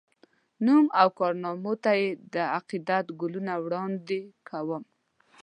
نوم او کارنامو ته یې د عقیدت ګلونه وړاندي کوم